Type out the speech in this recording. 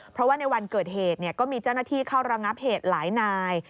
เพราะว่าในวันเกิดเหตุก็มีเจ้าหน้าที่เข้าระงับเหตุหลายนาย